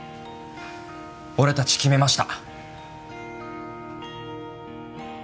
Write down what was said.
俺達決めました